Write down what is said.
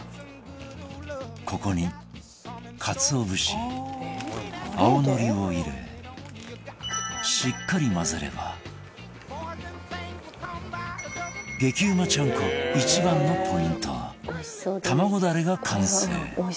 ここにかつお節、青のりを入れしっかり混ぜれば激うまちゃんこ一番のポイント、卵ダレが完成